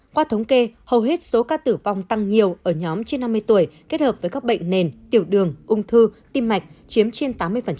qua thống kê hầu hết số ca tử vong tăng nhiều ở nhóm trên năm mươi tuổi kết hợp với các bệnh nền tiểu đường ung thư tim mạch chiếm trên tám mươi